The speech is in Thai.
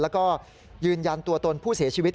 แล้วก็ยืนยันตัวตนผู้เสียชีวิต